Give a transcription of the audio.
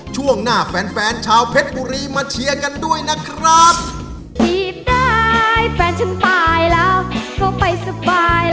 ช่วงหน้าแฟนแฟนชาวเพชรบุรีมาเชียร์กันด้วยนะครับ